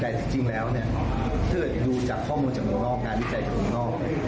แต่จริงแล้วเนี่ยถ้าเกิดดูจากข้อมูลจากเมืองนอกงานวิจัยจากเมืองนอก